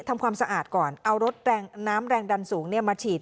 ทำความสะอาดก่อนเอารถน้ำแรงดันสูงมาฉีด